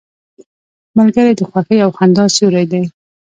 ملګری د خوښیو او خندا سیوری دی